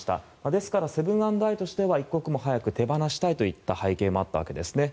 ですから、セブン＆アイとしては一刻も早く手放したいといった背景もあったようですね。